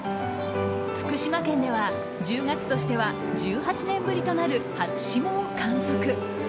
福島県では、１０月としては１８年ぶりとなる初霜を観測。